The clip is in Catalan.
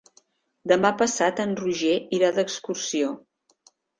Demà passat en Roger irà d'excursió.